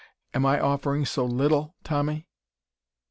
Am I offering so little, Tommy?"